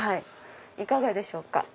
いかがでしょうか。